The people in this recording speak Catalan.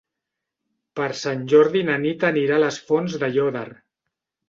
Per Sant Jordi na Nit anirà a les Fonts d'Aiòder.